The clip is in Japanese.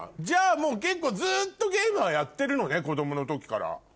じゃもう結構ずっとゲームはやってるのね子供の時から。